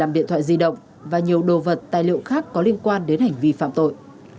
một mươi điện thoại di động và nhiều đồ vật tài liệu khác có liên quan đến hành vi phạm tội